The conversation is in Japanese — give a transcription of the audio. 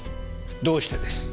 どうしてです？